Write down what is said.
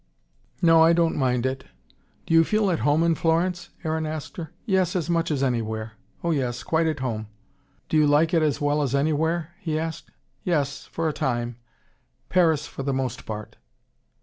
"No I don't mind it." "Do you feel at home in Florence?" Aaron asked her. "Yes as much as anywhere. Oh, yes quite at home." "Do you like it as well as anywhere?" he asked. "Yes for a time. Paris for the most part."